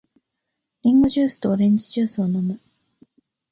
リンゴジュースとオレンジジュースを飲む。